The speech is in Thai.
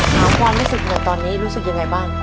ความรู้สึกหน่อยตอนนี้รู้สึกยังไงบ้าง